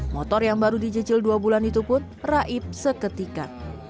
motor yang baru dicicil dua bulan itu pun raib seketika